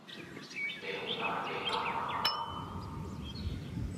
你好大嘅膽呀吓